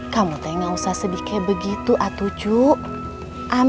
cepet ganti bajunya kum